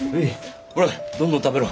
ほらどんどん食べろ。